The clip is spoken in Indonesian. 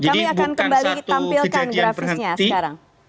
kami akan kembali tampilkan grafisnya sekarang